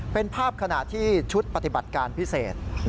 เป็นภาพขณะที่ชุดปฏิบัติการพิเศษ